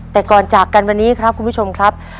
แต่ก่อนจากกันวันนี้ครับคุณผู้ชมครับ